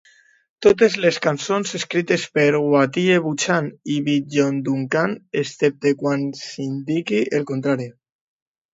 Totes les cançons escrites per Wattie Buchan i Big John Duncan, excepte quan s'indiqui el contrari.